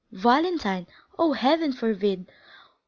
Valentine! Oh, Heaven forbid!